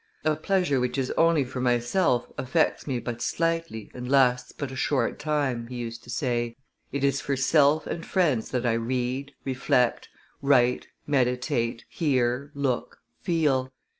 "A pleasure which is only for myself affects me but slightly and lasts but a short time," he used to say; "it is for self and friends that I read, reflect, write, meditate, hear, look, feel.